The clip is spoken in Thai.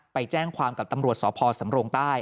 ไปแจ้งความกับตำรวจสพสำรงใต้